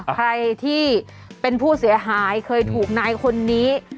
ใครที่เป็นผู้เสียหายเคยถูกนายคนนี้